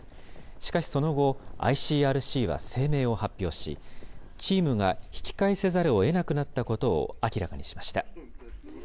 しかしその後、ＩＣＲＣは声明を発表し、チームが引き返さざるをえなくなったことを明らかにしました。